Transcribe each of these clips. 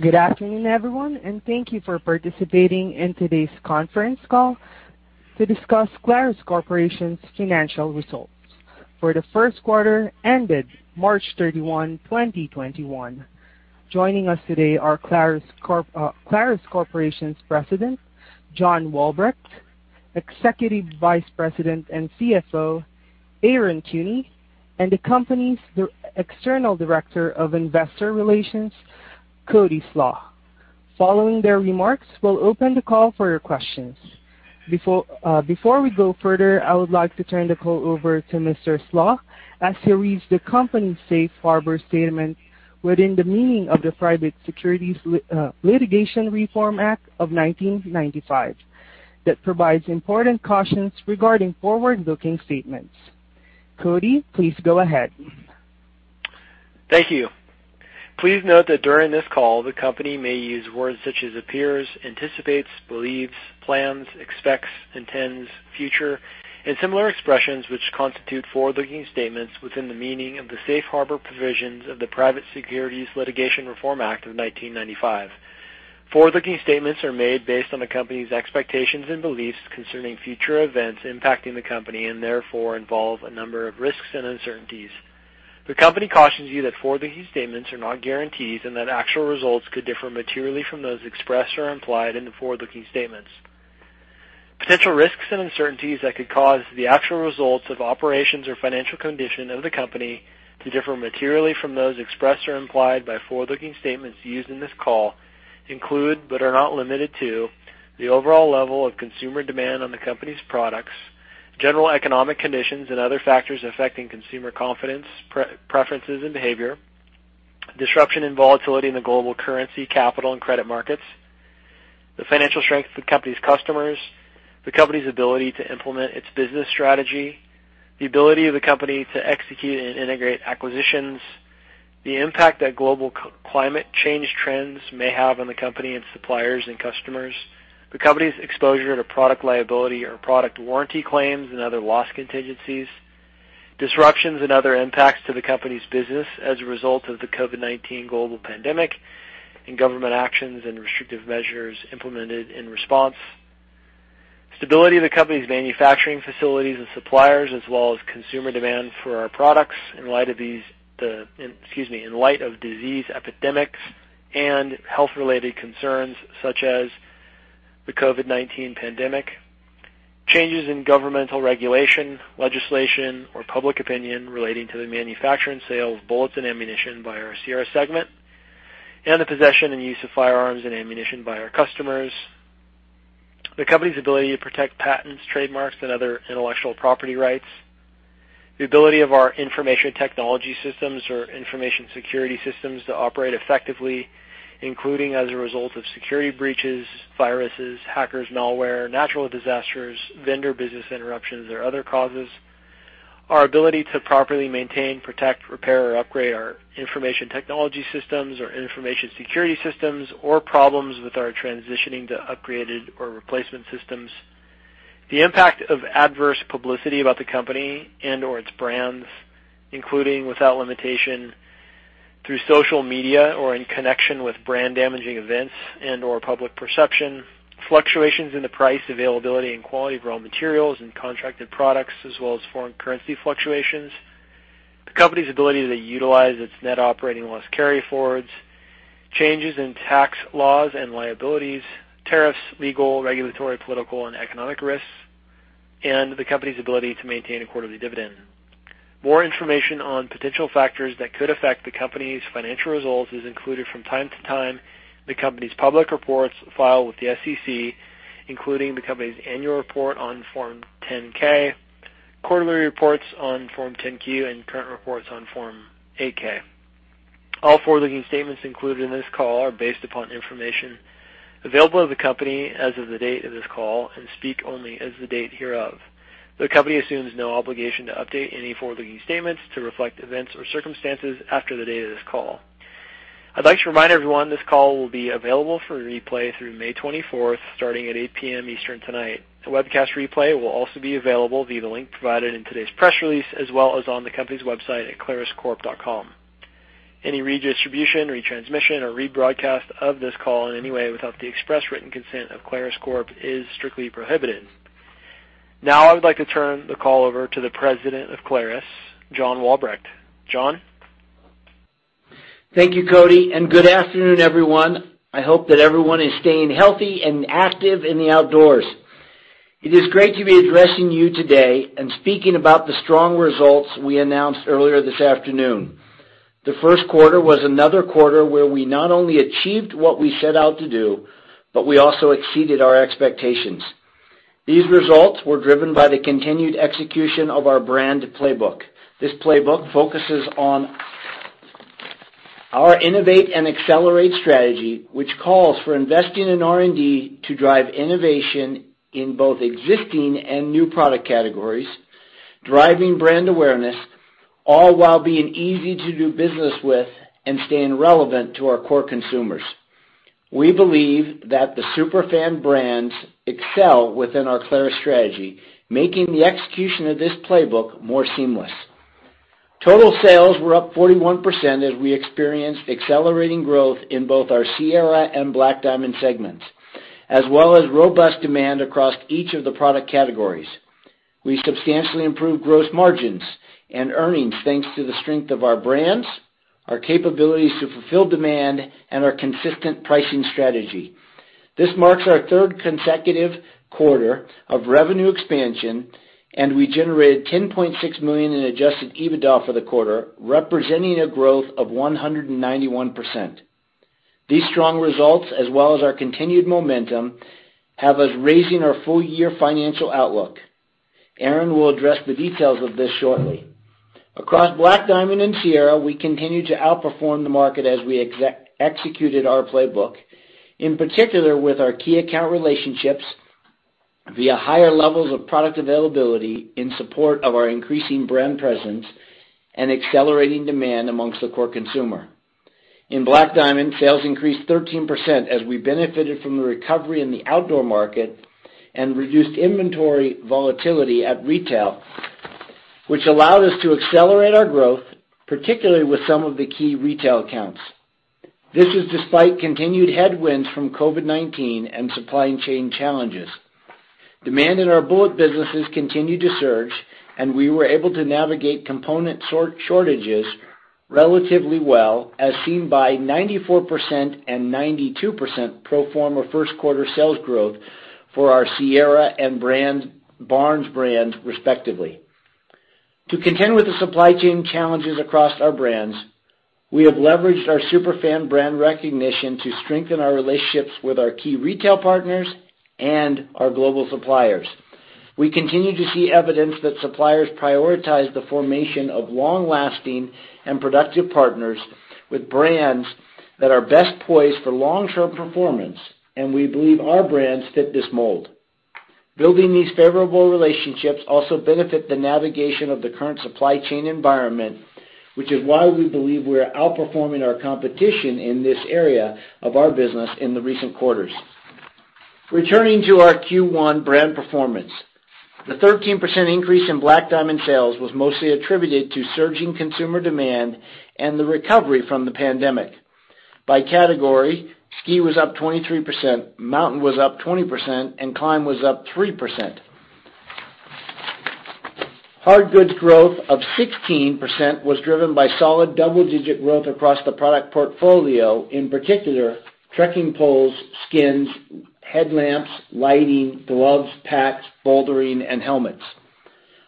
Good afternoon, everyone, and thank you for participating in today's conference call to discuss Clarus Corporation's financial results for the first quarter ended March 31, 2021. Joining us today are Clarus Corporation's President, John Walbrecht; Executive Vice President and CFO, Aaron Kuehne; and the company's External Director of Investor Relations, Cody Slach. Following their remarks, we'll open the call for your questions. Before we go further, I would like to turn the call over to Mr. Slach as he reads the company's safe harbor statement within the meaning of the Private Securities Litigation Reform Act of 1995, that provides important cautions regarding forward-looking statements. Cody, please go ahead. Thank you. Please note that during this call, the company may use words such as appears, anticipates, believes, plans, expects, intends, future, and similar expressions which constitute forward-looking statements within the meaning of the safe harbor provisions of the Private Securities Litigation Reform Act of 1995. Forward-looking statements are made based on the company's expectations and beliefs concerning future events impacting the company, and therefore involve a number of risks and uncertainties. The company cautions you that forward-looking statements are not guarantees, and that actual results could differ materially from those expressed or implied in the forward-looking statements. Potential risks and uncertainties that could cause the actual results of operations or financial condition of the company to differ materially from those expressed or implied by forward-looking statements used in this call include, but are not limited to, the overall level of consumer demand on the company's products; general economic conditions and other factors affecting consumer confidence, preferences, and behavior; disruption and volatility in the global currency, capital, and credit markets; the financial strength of the company's customers; the company's ability to implement its business strategy; the ability of the company to execute and integrate acquisitions; the impact that global climate change trends may have on the company and suppliers and customers; the company's exposure to product liability or product warranty claims and other loss contingencies, disruptions and other impacts to the company's business as a result of the COVID-19 global pandemic and government actions and restrictive measures implemented in response; stability of the company's manufacturing facilities and suppliers, as well as consumer demand for our products in light of disease epidemics and health-related concerns such as the COVID-19 pandemic; changes in governmental regulation, legislation, or public opinion relating to the manufacture and sale of bullets and ammunition by our Sierra segment and the possession and use of firearms and ammunition by our customers; the company's ability to protect patents, trademarks, and other intellectual property rights; the ability of our information technology systems or information security systems to operate effectively, including as a result of security breaches, viruses, hackers, malware, natural disasters, vendor business interruptions, or other causes; our ability to properly maintain, protect, repair, or upgrade our information technology systems or information security systems, or problems with our transitioning to upgraded or replacement systems; the impact of adverse publicity about the company and/or its brands, including without limitation through social media or in connection with brand-damaging events and/or public perception, fluctuations in the price, availability, and quality of raw materials and contracted products, as well as foreign currency fluctuations; the company's ability to utilize its net operating loss carryforwards; changes in tax laws and liabilities, tariffs, legal, regulatory, political, and economic risks; and the company's ability to maintain a quarterly dividend. More information on potential factors that could affect the company's financial results is included from time to time in the company's public reports filed with the SEC, including the company's annual report on Form 10-K, quarterly reports on Form 10-Q, and current reports on Form 8-K. All forward-looking statements included in this call are based upon information available to the company as of the date of this call and speak only as of the date hereof. The company assumes no obligation to update any forward-looking statements to reflect events or circumstances after the date of this call. I'd like to remind everyone this call will be available for replay through May 24th, starting at 8:00 P.M. Eastern tonight. The webcast replay will also be available via the link provided in today's press release, as well as on the company's website at claruscorp.com. Any redistribution, retransmission, or rebroadcast of this call in any way without the express written consent of Clarus Corp is strictly prohibited. Now, I would like to turn the call over to the President of Clarus, John Walbrecht. John? Thank you, Cody, and good afternoon, everyone. I hope that everyone is staying healthy and active in the outdoors. It is great to be addressing you today and speaking about the strong results we announced earlier this afternoon. The first quarter was another quarter where we not only achieved what we set out to do, but we also exceeded our expectations. These results were driven by the continued execution of our brand playbook. This playbook focuses on our innovate and accelerate strategy, which calls for investing in R&D to drive innovation in both existing and new product categories, driving brand awareness, all while being easy to do business with and staying relevant to our core consumers. We believe that the super fan brands excel within our Clarus strategy, making the execution of this playbook more seamless. Total sales were up 41% as we experienced accelerating growth in both our Sierra and Black Diamond segments, as well as robust demand across each of the product categories. We substantially improved gross margins and earnings thanks to the strength of our brands, our capabilities to fulfill demand, and our consistent pricing strategy. This marks our third consecutive quarter of revenue expansion, and we generated $10.6 million in Adjusted EBITDA for the quarter, representing a growth of 191%. These strong results, as well as our continued momentum, have us raising our full-year financial outlook. Aaron will address the details of this shortly. Across Black Diamond and Sierra, we continued to outperform the market as we executed our playbook, in particular with our key account relationships via higher levels of product availability in support of our increasing brand presence and accelerating demand amongst the core consumer. In Black Diamond, sales increased 13% as we benefited from the recovery in the outdoor market and reduced inventory volatility at retail, which allowed us to accelerate our growth, particularly with some of the key retail accounts. This is despite continued headwinds from COVID-19 and supply chain challenges. Demand in our bullet businesses continued to surge, and we were able to navigate component shortages relatively well, as seen by 94% and 92% pro forma first quarter sales growth for our Sierra and Barnes brands, respectively. To contend with the supply chain challenges across our brands, we have leveraged our super fan brand recognition to strengthen our relationships with our key retail partners and our global suppliers. We continue to see evidence that suppliers prioritize the formation of long-lasting and productive partners with brands that are best poised for long-term performance, and we believe our brands fit this mold. Building these favorable relationships also benefit the navigation of the current supply chain environment, which is why we believe we are outperforming our competition in this area of our business in the recent quarters. Returning to our Q1 brand performance, the 13% increase in Black Diamond sales was mostly attributed to surging consumer demand and the recovery from the pandemic. By category, ski was up 23%, mountain was up 20%, and climb was up 3%. Hard goods growth of 16% was driven by solid double-digit growth across the product portfolio, in particular, trekking poles, skins, headlamps, lighting, gloves, packs, bouldering, and helmets.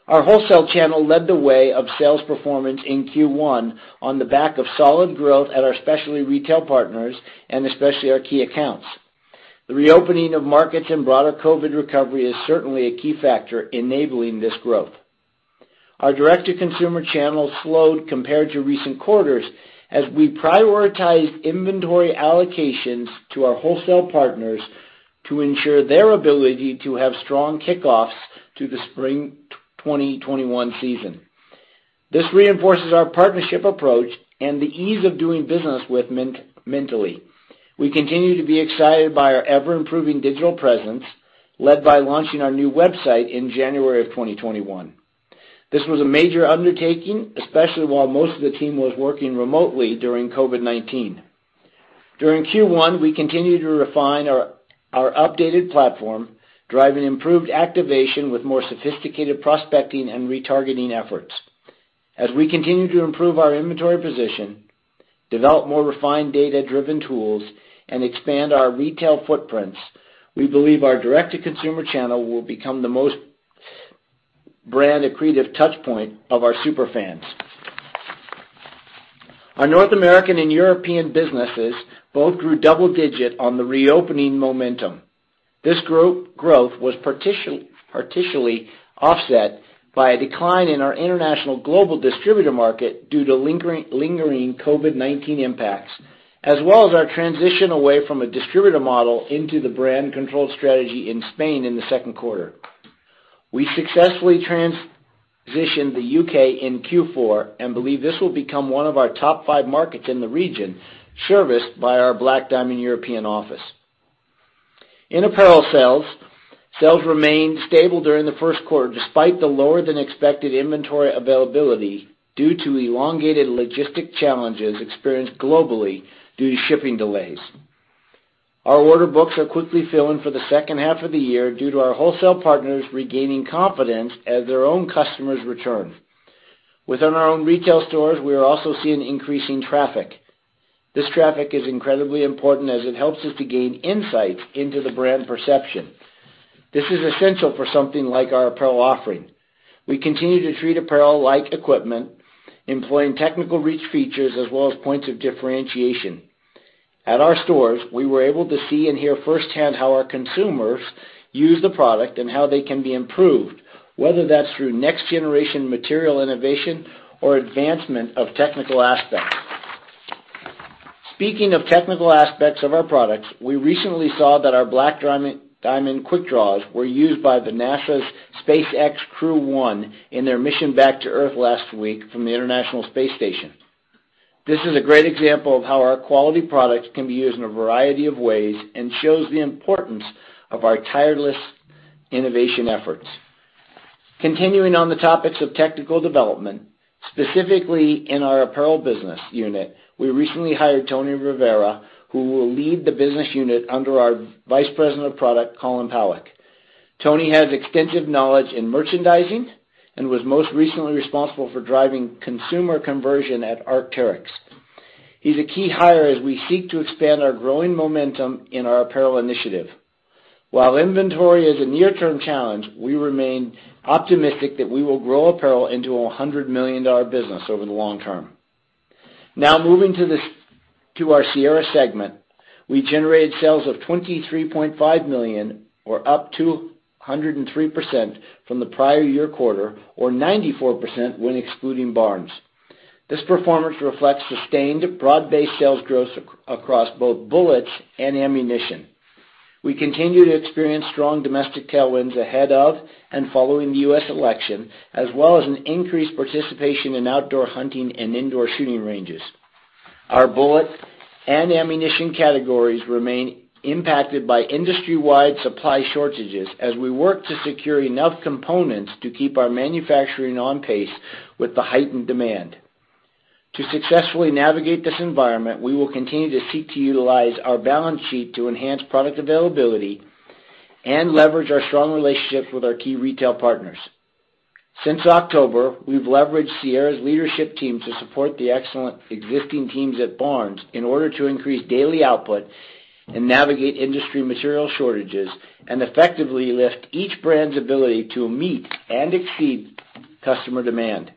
Our wholesale channel led the way of sales performance in Q1 on the back of solid growth at our specialty retail partners and especially our key accounts. The reopening of markets and broader COVID-19 recovery is certainly a key factor enabling this growth. Our direct-to-consumer channel slowed compared to recent quarters as we prioritized inventory allocations to our wholesale partners to ensure their ability to have strong kickoffs to the spring 2021 season. This reinforces our partnership approach and the ease of doing business with Clarus. We continue to be excited by our ever-improving digital presence, led by launching our new website in January of 2021. This was a major undertaking, especially while most of the team was working remotely during COVID-19. During Q1, we continued to refine our updated platform, driving improved activation with more sophisticated prospecting and retargeting efforts. As we continue to improve our inventory position, develop more refined data-driven tools, and expand our retail footprints, we believe our direct-to-consumer channel will become the most brand accretive touchpoint of our super fans. Our North American and European businesses both grew double-digit on the reopening momentum. This growth was partially offset by a decline in our international global distributor market due to lingering COVID-19 impacts, as well as our transition away from a distributor model into the brand control strategy in Spain in the second quarter. We successfully transitioned the U.K. in Q4 and believe this will become one of our top five markets in the region, serviced by our Black Diamond European office. In apparel, sales remained stable during the first quarter, despite the lower-than-expected inventory availability due to elongated logistic challenges experienced globally due to shipping delays. Our order books are quickly filling for the second half of the year due to our wholesale partners regaining confidence as their own customers return. Within our own retail stores, we are also seeing increasing traffic. This traffic is incredibly important as it helps us to gain insights into the brand perception. This is essential for something like our apparel offering. We continue to treat apparel like equipment, employing technical-rich features as well as points of differentiation. At our stores, we were able to see and hear firsthand how our consumers use the product and how they can be improved, whether that's through next-generation material innovation or advancement of technical aspects. Speaking of technical aspects of our products, we recently saw that our Black Diamond quickdraws were used by NASA's SpaceX Crew-1 in their mission back to Earth last week from the International Space Station. This is a great example of how our quality products can be used in a variety of ways and shows the importance of our tireless innovation efforts. Continuing on the topics of technical development, specifically in our apparel business unit, we recently hired Tony Rivera, who will lead the business unit under our Vice President of Product, Kolin Powick. Tony has extensive knowledge in merchandising and was most recently responsible for driving consumer conversion at Arc'teryx. He's a key hire as we seek to expand our growing momentum in our apparel initiative. While inventory is a near-term challenge, we remain optimistic that we will grow apparel into a $100 million business over the long term. Moving to our Sierra segment, we generated sales of $23.5 million or up 203% from the prior year quarter or 94% when excluding Barnes. This performance reflects sustained broad-based sales growth across both bullets and ammunition. We continue to experience strong domestic tailwinds ahead of and following the U.S. election, as well as an increased participation in outdoor hunting and indoor shooting ranges. Our bullet and ammunition categories remain impacted by industry-wide supply shortages as we work to secure enough components to keep our manufacturing on pace with the heightened demand. To successfully navigate this environment, we will continue to seek to utilize our balance sheet to enhance product availability and leverage our strong relationships with our key retail partners. Since October, we've leveraged Sierra's leadership team to support the excellent existing teams at Barnes in order to increase daily output and navigate industry material shortages and effectively lift each brand's ability to meet and exceed customer demand.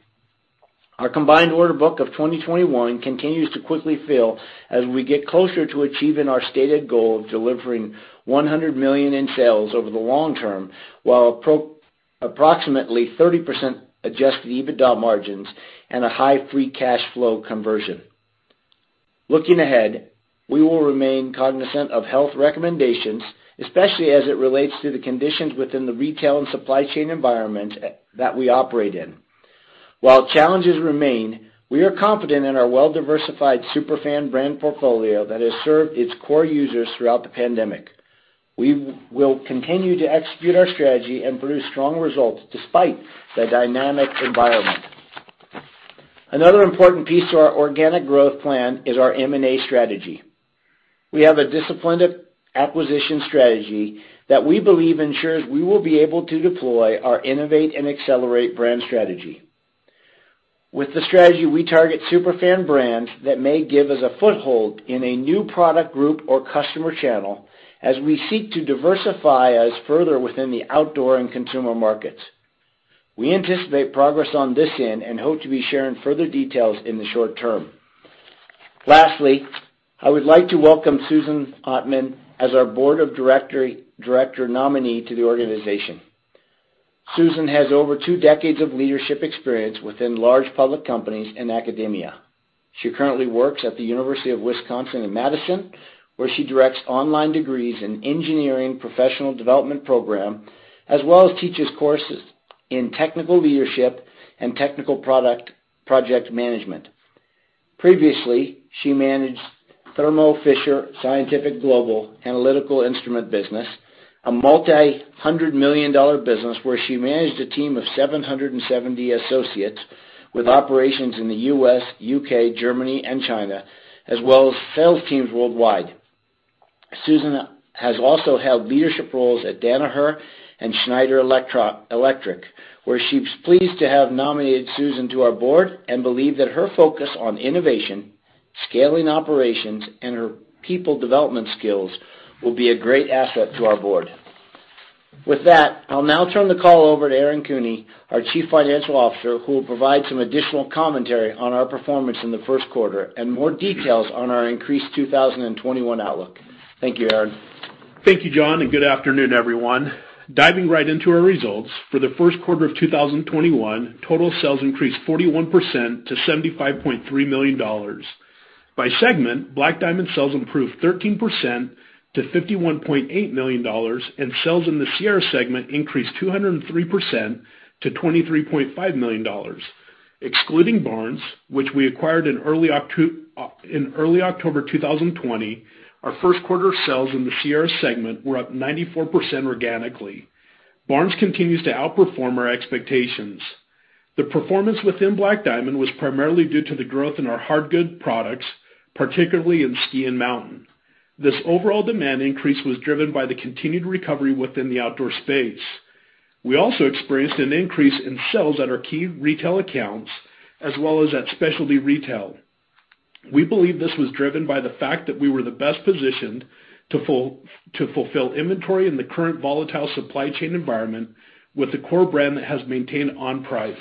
Our combined order book of 2021 continues to quickly fill as we get closer to achieving our stated goal of delivering $100 million in sales over the long term, while approximately 30% Adjusted EBITDA margins and a high free cash flow conversion. Looking ahead, we will remain cognizant of health recommendations, especially as it relates to the conditions within the retail and supply chain environment that we operate in. While challenges remain, we are confident in our well-diversified super fan brand portfolio that has served its core users throughout the pandemic. We will continue to execute our strategy and produce strong results despite the dynamic environment. Another important piece to our organic growth plan is our M&A strategy. We have a disciplined acquisition strategy that we believe ensures we will be able to deploy our innovate and accelerate brand strategy. With the strategy, we target super fan brands that may give us a foothold in a new product group or customer channel as we seek to diversify us further within the outdoor and consumer markets. We anticipate progress on this end and hope to be sharing further details in the short term. Lastly, I would like to welcome Susan Ottmann as our Board of Director nominee to the organization. Susan has over two decades of leadership experience within large public companies and academia. She currently works at the University of Wisconsin in Madison, where she directs online degrees in engineering professional development program, as well as teaches courses in technical leadership and technical project management. Previously, she managed Thermo Fisher Scientific Global Analytical Instrument business, a multi-hundred million dollar business where she managed a team of 770 associates with operations in the U.S., U.K., Germany, and China, as well as sales teams worldwide. Susan has also held leadership roles at Danaher and Schneider Electric, we are pleased to have nominated Susan to our board and believe that her focus on innovation, scaling operations, and her people development skills will be a great asset to our board. With that, I'll now turn the call over to Aaron Kuehne, our Chief Financial Officer, who will provide some additional commentary on our performance in the first quarter and more details on our increased 2021 outlook. Thank you, Aaron. Thank you, John. Good afternoon, everyone. Diving right into our results, for the first quarter of 2021, total sales increased 41% to $75.3 million. By segment, Black Diamond sales improved 13% to $51.8 million, and sales in the Sierra segment increased 203% to $23.5 million. Excluding Barnes, which we acquired in early October 2020, our first quarter sales in the Sierra segment were up 94% organically. Barnes continues to outperform our expectations. The performance within Black Diamond was primarily due to the growth in our hard goods products, particularly in ski and mountain. This overall demand increase was driven by the continued recovery within the outdoor space. We also experienced an increase in sales at our key retail accounts, as well as at specialty retail. We believe this was driven by the fact that we were the best positioned to fulfill inventory in the current volatile supply chain environment with a core brand that has maintained on price.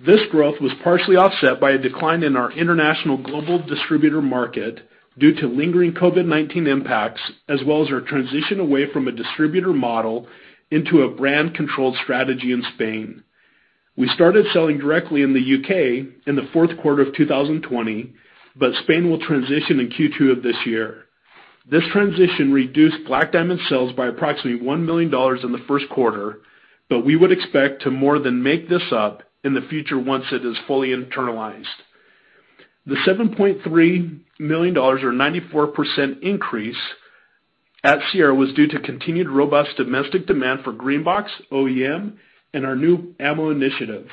This growth was partially offset by a decline in our international global distributor market due to lingering COVID-19 impacts, as well as our transition away from a distributor model into a brand-controlled strategy in Spain. We started selling directly in the U.K. in the fourth quarter of 2020, but Spain will transition in Q2 of this year. This transition reduced Black Diamond sales by approximately $1 million in the first quarter, but we would expect to more than make this up in the future once it is fully internalized. The $7.3 million, or 94% increase at Sierra was due to continued robust domestic demand for green box, OEM, and our new ammo initiative.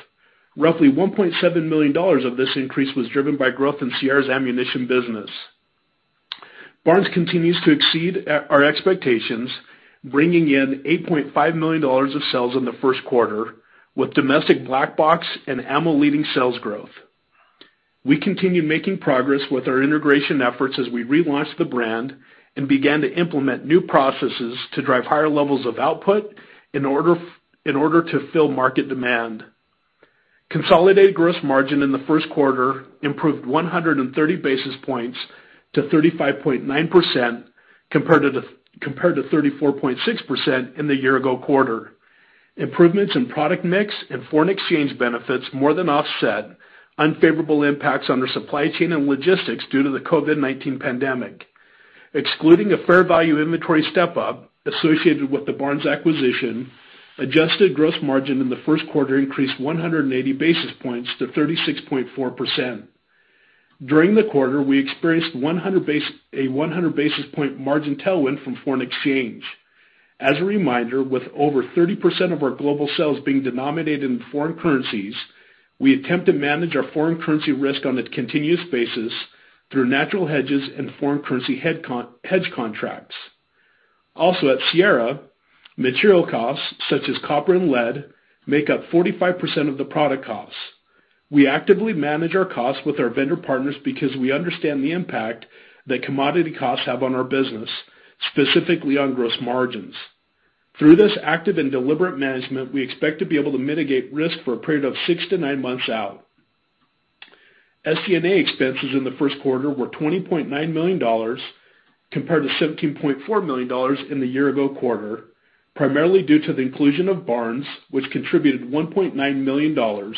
Roughly $1.7 million of this increase was driven by growth in Sierra's ammunition business. Barnes continues to exceed our expectations, bringing in $8.5 million of sales in the first quarter, with domestic Black Box and ammo leading sales growth. We continue making progress with our integration efforts as we relaunched the brand and began to implement new processes to drive higher levels of output in order to fill market demand. Consolidated gross margin in the first quarter improved 130 basis points to 35.9% compared to 34.6% in the year-ago quarter. Improvements in product mix and foreign exchange benefits more than offset unfavorable impacts on our supply chain and logistics due to the COVID-19 pandemic. Excluding a fair value inventory step-up associated with the Barnes acquisition, adjusted gross margin in the first quarter increased 180 basis points to 36.4%. During the quarter, we experienced a 100 basis point margin tailwind from foreign exchange. As a reminder, with over 30% of our global sales being denominated in foreign currencies, we attempt to manage our foreign currency risk on a continuous basis through natural hedges and foreign currency hedge contracts. Also at Sierra, material costs such as copper and lead make up 45% of the product costs. We actively manage our costs with our vendor partners because we understand the impact that commodity costs have on our business, specifically on gross margins. Through this active and deliberate management, we expect to be able to mitigate risk for a period of six to nine months out. SG&A expenses in the first quarter were $20.9 million compared to $17.4 million in the year-ago quarter, primarily due to the inclusion of Barnes, which contributed $1.9 million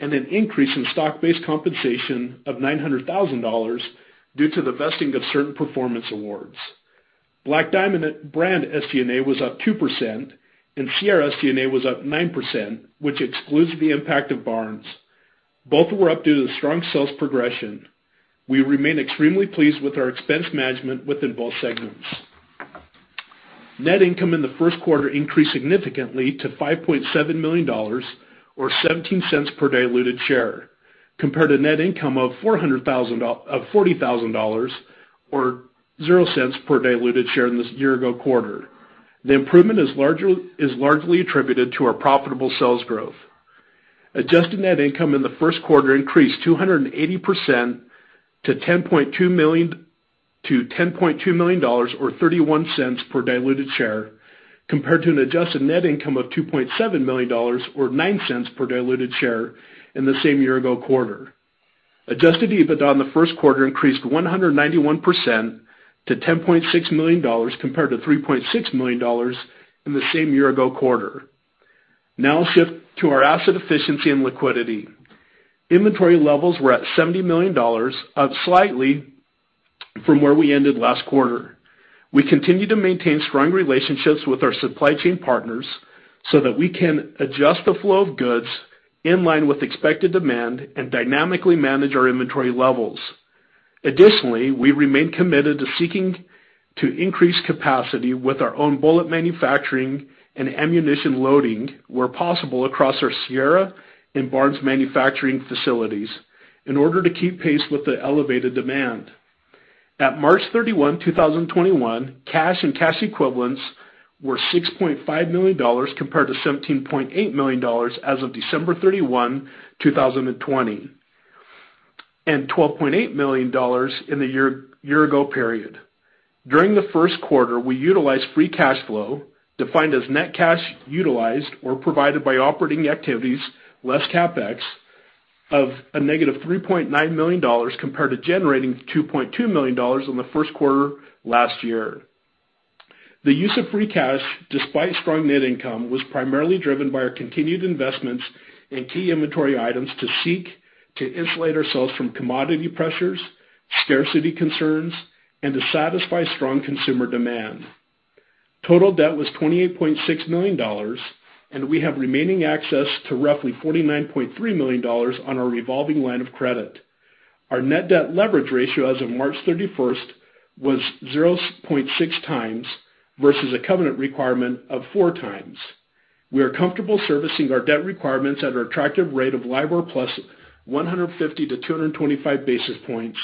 and an increase in stock-based compensation of $900,000 due to the vesting of certain performance awards. Black Diamond brand SG&A was up 2% and Sierra SG&A was up 9%, which excludes the impact of Barnes. Both were up due to the strong sales progression. We remain extremely pleased with our expense management within both segments. Net income in the first quarter increased significantly to $5.7 million, or $0.17 per diluted share, compared to net income of $40,000 or $0.00 per diluted share in this year-ago quarter. The improvement is largely attributed to our profitable sales growth. Adjusted net income in the first quarter increased 280% to $10.2 million, or $0.31 per diluted share, compared to an adjusted net income of $2.7 million or $0.09 per diluted share in the same year-ago quarter. Adjusted EBITDA in the first quarter increased 191% to $10.6 million compared to $3.6 million in the same year-ago quarter. Now, I'll shift to our asset efficiency and liquidity. Inventory levels were at $70 million, up slightly from where we ended last quarter. We continue to maintain strong relationships with our supply chain partners so that we can adjust the flow of goods in line with expected demand and dynamically manage our inventory levels. Additionally, we remain committed to seeking to increase capacity with our own bullet manufacturing and ammunition loading where possible across our Sierra and Barnes manufacturing facilities in order to keep pace with the elevated demand. At March 31, 2021, cash and cash equivalents were $6.5 million compared to $17.8 million as of December 31, 2020, and $12.8 million in the year-ago period. During the first quarter, we utilized free cash flow, defined as net cash utilized or provided by operating activities, less CapEx, of -$3.9 million compared to generating $2.2 million in the first quarter last year. The use of free cash, despite strong net income, was primarily driven by our continued investments in key inventory items to seek to insulate ourselves from commodity pressures, scarcity concerns, and to satisfy strong consumer demand. Total debt was $28.6 million, and we have remaining access to roughly $49.3 million on our revolving line of credit. Our net debt leverage ratio as of March 31st was 0.6x versus a covenant requirement of 4x. We are comfortable servicing our debt requirements at our attractive rate of LIBOR + 150 basis points-225 basis points.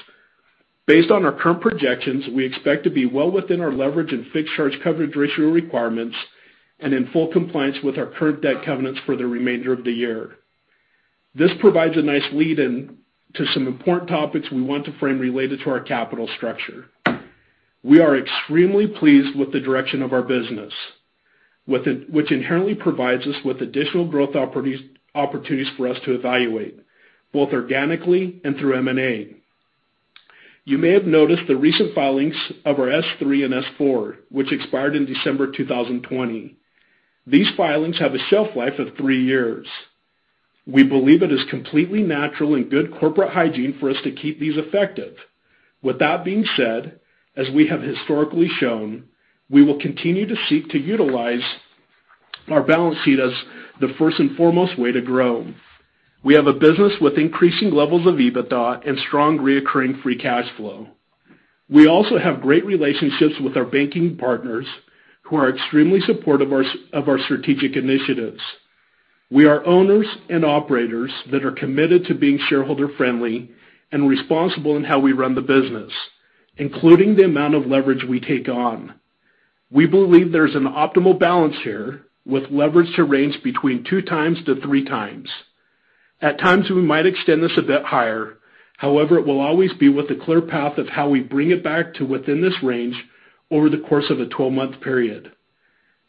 Based on our current projections, we expect to be well within our leverage and fixed charge coverage ratio requirements and in full compliance with our current debt covenants for the remainder of the year. This provides a nice lead-in to some important topics we want to frame related to our capital structure. We are extremely pleased with the direction of our business, which inherently provides us with additional growth opportunities for us to evaluate, both organically and through M&A. You may have noticed the recent filings of our Form S-3 and Form S-4, which expired in December 2020. These filings have a shelf life of three years. We believe it is completely natural and good corporate hygiene for us to keep these effective. With that being said, as we have historically shown, we will continue to seek to utilize our balance sheet as the first and foremost way to grow. We have a business with increasing levels of EBITDA and strong reoccurring free cash flow. We also have great relationships with our banking partners who are extremely supportive of our strategic initiatives. We are owners and operators that are committed to being shareholder-friendly and responsible in how we run the business, including the amount of leverage we take on. We believe there's an optimal balance here with leverage to range between 2x-3x. At times, we might extend this a bit higher. However, it will always be with a clear path of how we bring it back to within this range over the course of a 12-month period.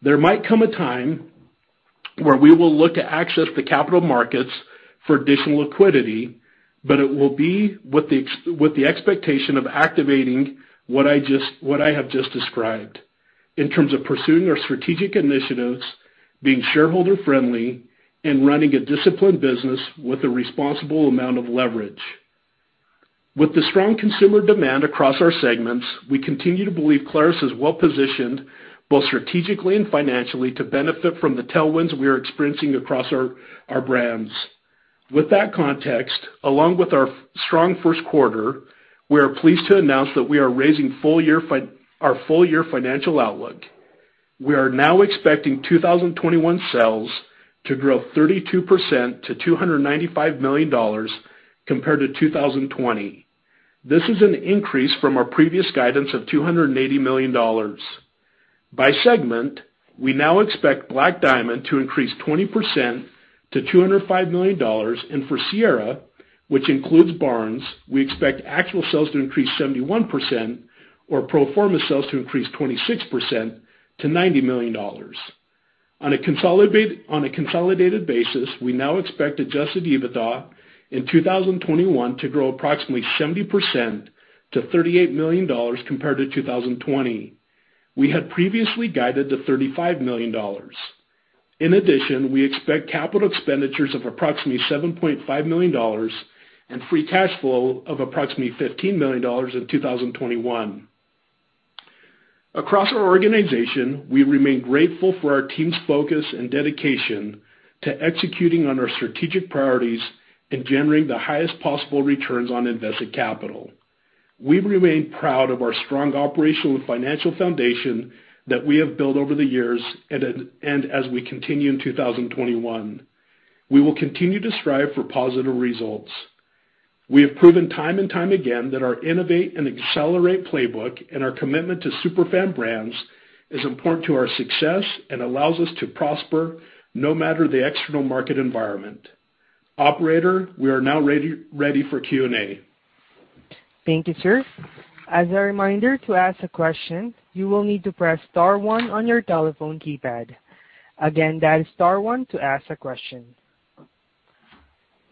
There might come a time where we will look to access the capital markets for additional liquidity, but it will be with the expectation of activating what I have just described in terms of pursuing our strategic initiatives, being shareholder-friendly, and running a disciplined business with a responsible amount of leverage. With the strong consumer demand across our segments, we continue to believe Clarus is well-positioned, both strategically and financially, to benefit from the tailwinds we are experiencing across our brands. With that context, along with our strong first quarter, we are pleased to announce that we are raising our full-year financial outlook. We are now expecting 2021 sales to grow 32% to $295 million compared to 2020. This is an increase from our previous guidance of $280 million. By segment, we now expect Black Diamond to increase 20% to $205 million, and for Sierra, which includes Barnes, we expect actual sales to increase 71% or pro forma sales to increase 26% to $90 million. On a consolidated basis, we now expect Adjusted EBITDA in 2021 to grow approximately 70% to $38 million compared to 2020. We had previously guided to $35 million. In addition, we expect capital expenditures of approximately $7.5 million and free cash flow of approximately $15 million in 2021. Across our organization, we remain grateful for our team's focus and dedication to executing on our strategic priorities and generating the highest possible returns on invested capital. We remain proud of our strong operational and financial foundation that we have built over the years and as we continue in 2021. We will continue to strive for positive results. We have proven time and time again that our innovate and accelerate playbook and our commitment to super fan brands is important to our success and allows us to prosper no matter the external market environment. Operator, we are now ready for Q&A. Thank you, sir. As a reminder, to ask a question, you will need to press star one on your telephone keypad. Again, that is star one to ask a question.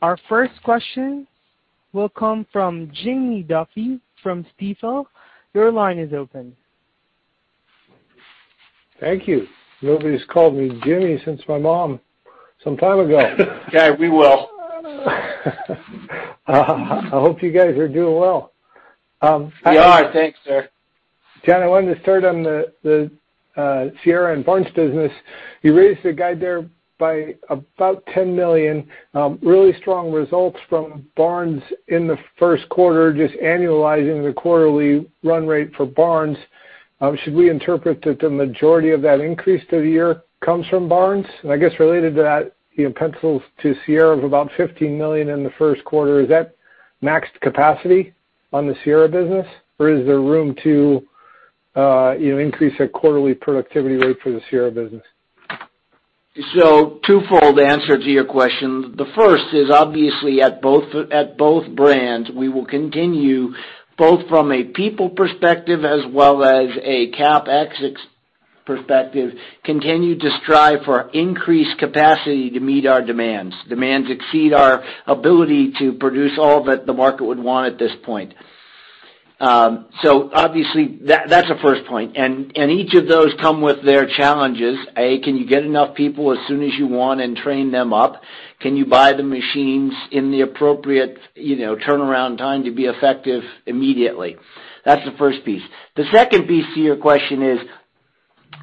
Our first question will come from Jimmy Duffy from Stifel. Your line is open. Thank you. Nobody's called me Jimmy since my mom some time ago. We will. I hope you guys are doing well. We are. Thanks, sir. John, I wanted to start on the Sierra and Barnes business. You raised the guide there by about $10 million. Really strong results from Barnes in the first quarter, just annualizing the quarterly run rate for Barnes. Should we interpret that the majority of that increase to the year comes from Barnes? I guess related to that, pencils to Sierra of about $15 million in the first quarter. Is that maxed capacity on the Sierra business, or is there room to increase that quarterly productivity rate for the Sierra business? Twofold answer to your question. The first is obviously at both brands, we will continue both from a people perspective as well as a CapEx perspective, continue to strive for increased capacity to meet our demands. Demands exceed our ability to produce all that the market would want at this point. Obviously, that's the first point, and each of those come with their challenges. Can you get enough people as soon as you want and train them up? Can you buy the machines in the appropriate turnaround time to be effective immediately? That's the first piece. The second piece to your question is,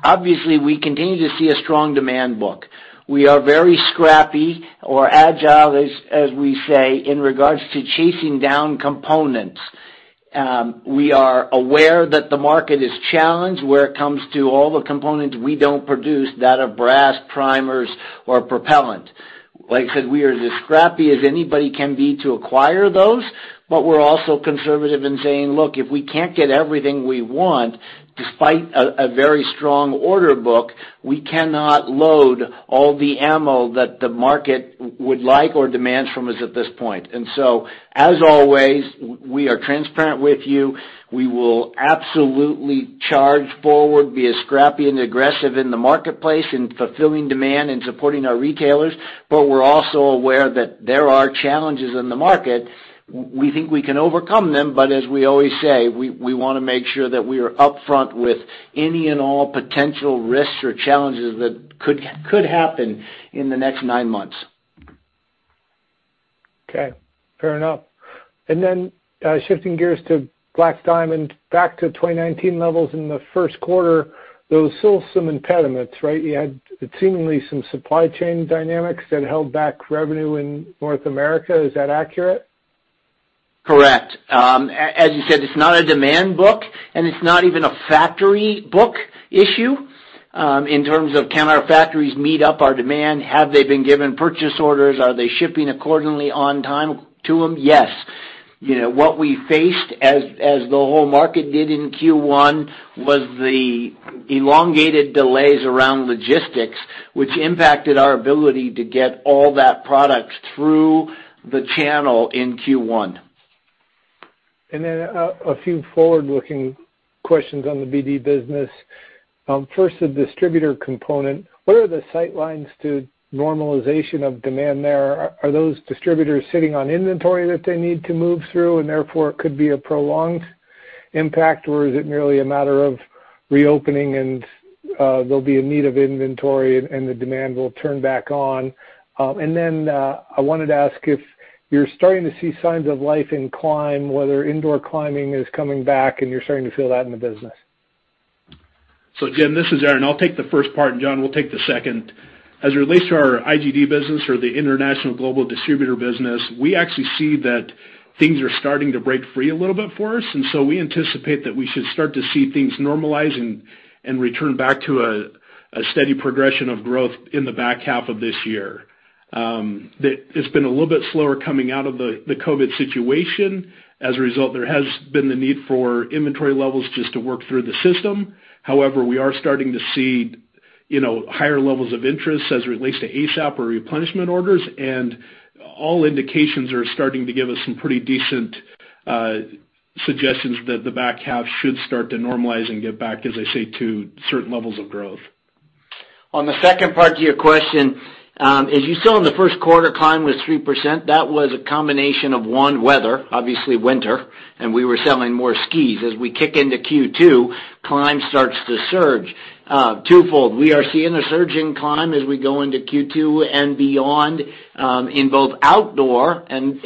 obviously, we continue to see a strong demand book. We are very scrappy or agile, as we say, in regards to chasing down components. We are aware that the market is challenged when it comes to all the components we don't produce that are brass primers or propellant. Like I said, we are as scrappy as anybody can be to acquire those, but we're also conservative in saying, look, if we can't get everything we want, despite a very strong order book, we cannot load all the ammo that the market would like or demands from us at this point. As always, we are transparent with you. We will absolutely charge forward, be as scrappy and aggressive in the marketplace in fulfilling demand and supporting our retailers, but we're also aware that there are challenges in the market. We think we can overcome them, but as we always say, we want to make sure that we are upfront with any and all potential risks or challenges that could happen in the next nine months. Fair enough. Shifting gears to Black Diamond, back to 2019 levels in the first quarter, there was still some impediments. You had seemingly some supply chain dynamics that held back revenue in North America. Is that accurate? Correct. As you said, it's not a demand book, and it's not even a factory book issue, in terms of can our factories meet up our demand? Have they been given purchase orders? Are they shipping accordingly on time to them? Yes. What we faced as the whole market did in Q1 was the elongated delays around logistics, which impacted our ability to get all that product through the channel in Q1. A few forward-looking questions on the BD business. First, the distributor component. What are the sight lines to normalization of demand there? Are those distributors sitting on inventory that they need to move through, and therefore it could be a prolonged impact, or is it merely a matter of reopening and there'll be a need of inventory and the demand will turn back on? I wanted to ask if you're starting to see signs of life in climb, whether indoor climbing is coming back and you're starting to feel that in the business. Again, this is Aaron. I'll take the first part, and John will take the second. As it relates to our IGD business or the international global distributor business, we actually see that things are starting to break free a little bit for us, we anticipate that we should start to see things normalize and return back to a steady progression of growth in the back half of this year. It's been a little bit slower coming out of the COVID situation. As a result, there has been the need for inventory levels just to work through the system. However, we are starting to see higher levels of interest as it relates to ASAP or replenishment orders, all indications are starting to give us some pretty decent suggestions that the back half should start to normalize and get back, as I say, to certain levels of growth. On the second part to your question, as you saw in the first quarter, climb was 3%. That was a combination of, one, weather, obviously winter, and we were selling more skis. As we kick into Q2, climb starts to surge. Twofold, we are seeing a surge in climb as we go into Q2 and beyond, in both outdoor and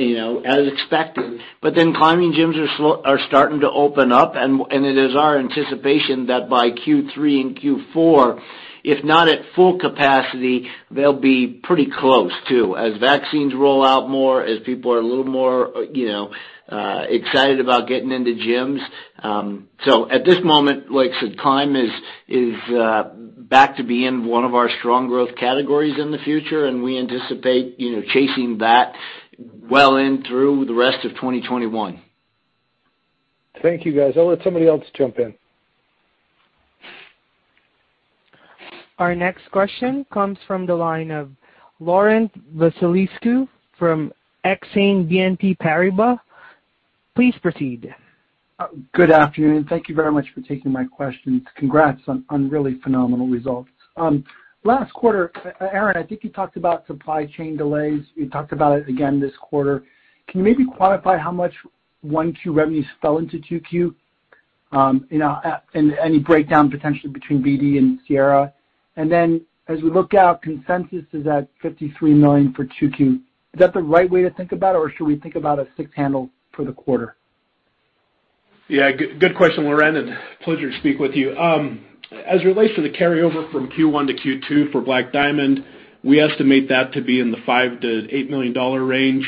as expected. But then, climbing gyms are starting to open up, and it is our anticipation that by Q3 and Q4, if not at full capacity, they'll be pretty close, too, as vaccines roll out more, as people are a little more excited about getting into gyms. At this moment, like I said, climb is back to being one of our strong growth categories in the future, and we anticipate chasing that well in through the rest of 2021. Thank you, guys. I'll let somebody else jump in. Our next question comes from the line of Laurent Vasilescu from Exane BNP Paribas. Please proceed. Good afternoon. Thank you very much for taking my questions. Congrats on really phenomenal results. Last quarter, Aaron, I think you talked about supply chain delays. You talked about it again this quarter. Can you maybe quantify how much 1Q revenues fell into 2Q, and any breakdown potentially between BD and Sierra? As we look out, consensus is at $53 million for 2Q. Is that the right way to think about it, or should we think about a six handle for the quarter? Good question, Laurent, pleasure to speak with you. As it relates to the carryover from Q1 to Q2 for Black Diamond, we estimate that to be in the $5 million-$8 million range.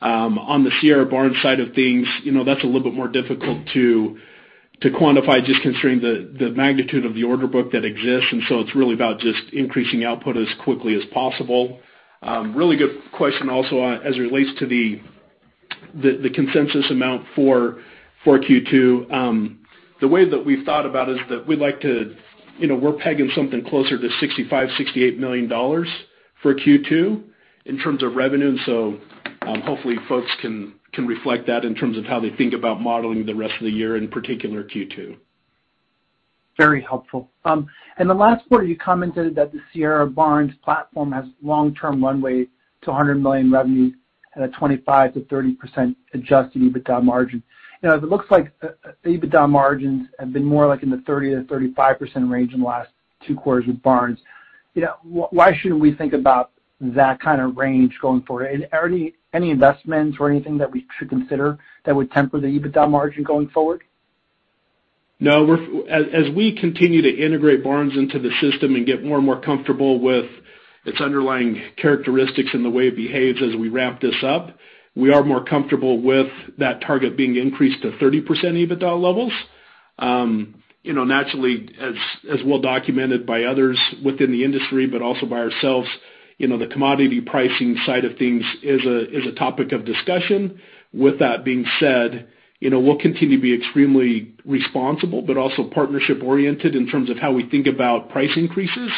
On the Sierra/Barnes side of things, that's a little bit more difficult to quantify just considering the magnitude of the order book that exists, it's really about just increasing output as quickly as possible. Really good question also as it relates to the consensus amount for Q2. The way that we've thought about is that we're pegging something closer to $65 million, $68 million for Q2 in terms of revenue, hopefully folks can reflect that in terms of how they think about modeling the rest of the year, in particular Q2. Very helpful. In the last quarter, you commented that the Sierra/Barnes platform has long-term runway to $100 million revenue at a 25%-30% Adjusted EBITDA margin. It looks like EBITDA margins have been more like in the 30%-35% range in the last two quarters with Barnes. Why should we think about that kind of range going forward? Are there any investments or anything that we should consider that would temper the EBITDA margin going forward? No. As we continue to integrate Barnes into the system and get more and more comfortable with its underlying characteristics and the way it behaves as we wrap this up, we are more comfortable with that target being increased to 30% EBITDA levels. Naturally, as well documented by others within the industry, but also by ourselves, the commodity pricing side of things is a topic of discussion. With that being said, we'll continue to be extremely responsible, but also partnership oriented in terms of how we think about price increases.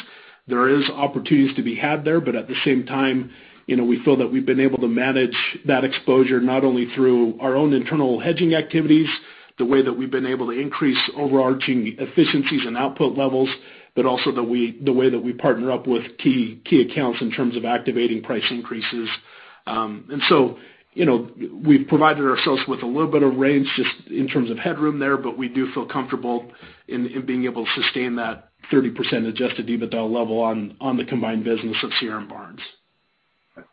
There is opportunities to be had there, but at the same time, we feel that we've been able to manage that exposure not only through our own internal hedging activities, the way that we've been able to increase overarching efficiencies and output levels, but also the way that we partner up with key accounts in terms of activating price increases. We've provided ourselves with a little bit of range just in terms of headroom there, but we do feel comfortable in being able to sustain that 30% Adjusted EBITDA level on the combined business of Sierra and Barnes.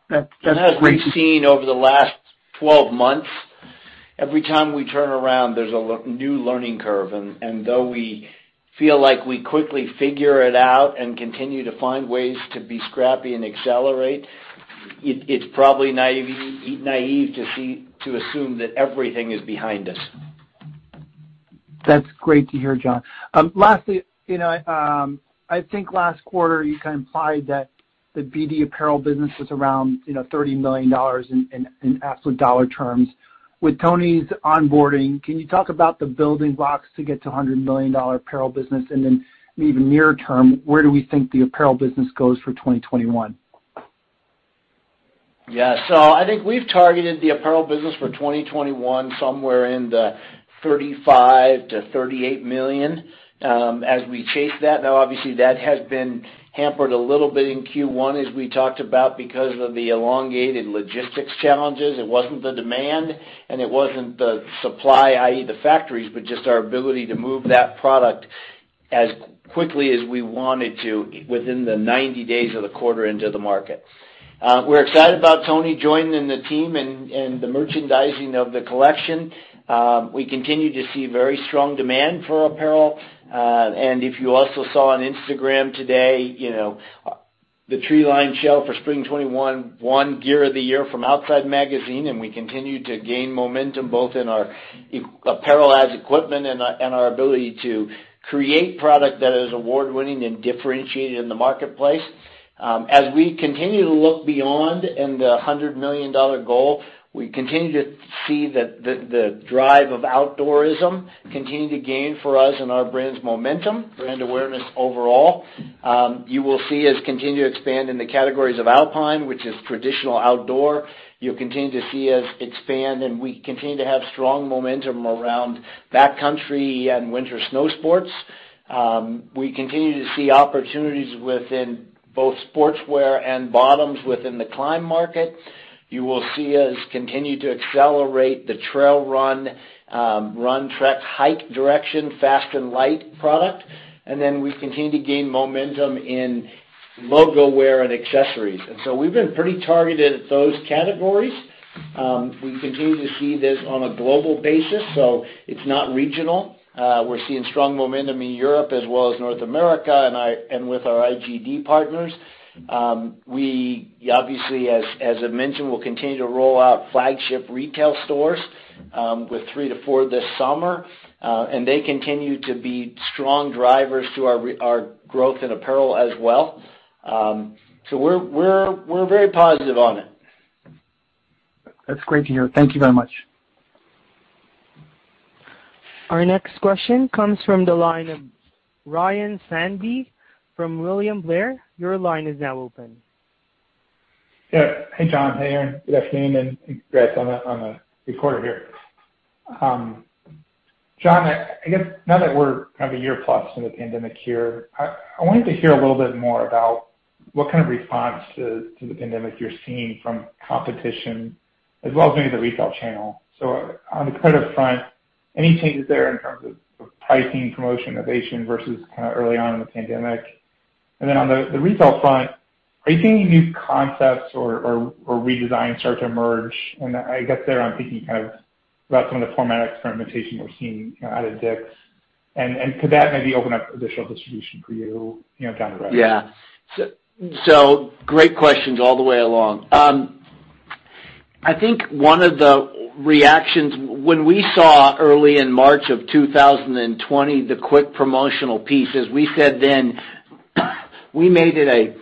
That's great. As we've seen over the last 12 months, every time we turn around, there's a new learning curve. Though we feel like we quickly figure it out and continue to find ways to be scrappy and accelerate, it's probably naive to assume that everything is behind us. That's great to hear, John. Lastly, I think last quarter you kind of implied that the BD apparel business was around $30 million in absolute dollar terms. With Tony's onboarding, can you talk about the building blocks to get to $100 million apparel business? Maybe near term, where do we think the apparel business goes for 2021? I think we've targeted the apparel business for 2021 somewhere in the $35 million-$38 million. As we chase that, obviously that has been hampered a little bit in Q1, as we talked about, because of the elongated logistics challenges. It wasn't the demand, and it wasn't the supply, i.e., the factories, but just our ability to move that product as quickly as we wanted to within the 90 days of the quarter into the market. We're excited about Tony joining the team and the merchandising of the collection. We continue to see very strong demand for apparel. If you also saw on Instagram today, the Treeline Rain Shell for Spring 2021 won Gear of the Year from Outside Magazine, and we continue to gain momentum both in our apparel as equipment and our ability to create product that is award-winning and differentiated in the marketplace. As we continue to look beyond the $100 million goal, we continue to see the drive of outdoorism continue to gain for us and our brand's momentum, brand awareness overall. You will see us continue to expand in the categories of alpine, which is traditional outdoor. You'll continue to see us expand, we continue to have strong momentum around backcountry and winter snow sports. We continue to see opportunities within both sportswear and bottoms within the climb market. You will see us continue to accelerate the trail run, trek, hike direction, fast and light product. We've continued to gain momentum in logo wear and accessories. We've been pretty targeted at those categories. We continue to see this on a global basis, so it's not regional. We're seeing strong momentum in Europe as well as North America, and with our IGD partners. We obviously, as I mentioned, will continue to roll out flagship retail stores, with three to four this summer. They continue to be strong drivers to our growth in apparel as well. We're very positive on it. That's great to hear. Thank you very much. Our next question comes from the line of Ryan Sundby from William Blair. Your line is now open. Hey, John. Hey, Aaron. Good afternoon, congrats on the good quarter here. John, I guess now that we're kind of 1+ year in the pandemic here, I wanted to hear a little bit more about what kind of response to the pandemic you're seeing from competition as well as maybe the retail channel. On the credit front, any changes there in terms of pricing, promotion, innovation versus kind of early on in the pandemic? On the retail front, are you seeing any new concepts or redesigns start to emerge? I guess there I'm thinking kind of about some of the format experimentation we're seeing out of Dick's. Could that maybe open up additional distribution for you down the road? Great questions all the way along. I think one of the reactions when we saw early in March of 2020 the quick promotional pieces, we said then we made it a